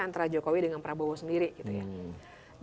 antara jokowi dengan prabowo sendiri gitu ya